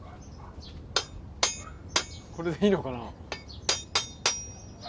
これでいいのかなぁ？